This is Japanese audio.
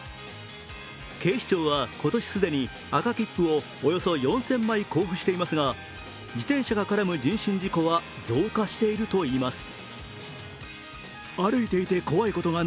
警視庁は今年既に赤切符をおよそ４０００枚交付していますが、自転車が絡む人身事故は増加しているといいます。